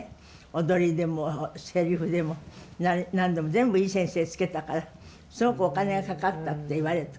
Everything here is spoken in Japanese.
踊りでもセリフでも何でも全部いい先生つけたからすごくお金がかかったって言われた。